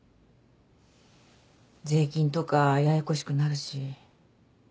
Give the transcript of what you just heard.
税金とかややこしくなるし。